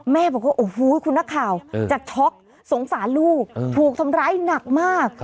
บอกว่าโอ้โหคุณนักข่าวจะช็อกสงสารลูกถูกทำร้ายหนักมาก